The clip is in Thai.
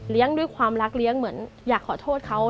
ด้วยความรักเลี้ยงเหมือนอยากขอโทษเขา